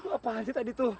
apaan sih tadi tuh